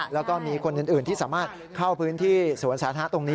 แล้วก็มีคนอื่นที่สามารถเข้าพื้นที่สวนสาธารณะตรงนี้